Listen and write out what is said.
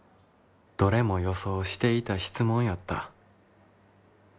「どれも予想していた質問やった」。